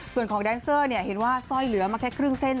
ส่วนของแดนเซอร์เห็นว่าสร้อยเหลือมาแค่ครึ่งเส้น